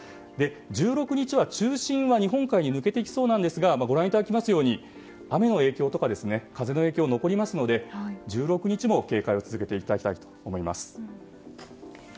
１６日は中心は日本海へ抜けていきそうなんですがご覧いただきますように雨、風の影響が残りますので、１６日も警戒を続けていただきたいと思います。